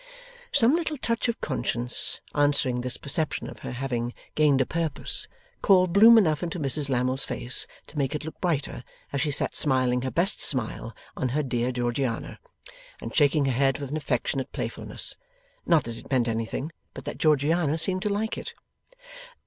Some little touch of conscience answering this perception of her having gained a purpose, called bloom enough into Mrs Lammle's face to make it look brighter as she sat smiling her best smile on her dear Georgiana, and shaking her head with an affectionate playfulness. Not that it meant anything, but that Georgiana seemed to like it.